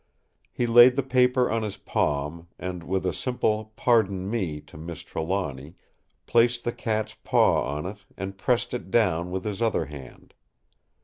He laid the paper on his palm and, with a simple "pardon me!" to Miss Trelawny, placed the cat's paw on it and pressed it down with his other hand.